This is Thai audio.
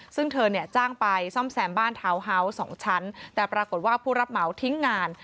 ซึ่งเธอเนี่ยจ้างไปซ่อมแซมบ้านทาวน์ฮาวส์๒ชั้นแต่ปรากฏว่าผู้รับเหมาทิ้งงาน